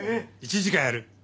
１時間やる。